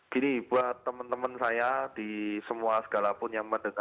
gini buat temen temen saya di semua segala pun yang menerima